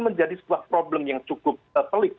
menjadi sebuah problem yang cukup pelik